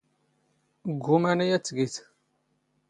ⴳⴳⵓ ⵎⴰⵏⵉ ⴰⴷ ⵜⴳⵉⴷ?